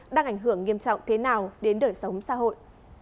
đang ảnh hưởng nghiêm trọng thế nào đến đời sống xã hội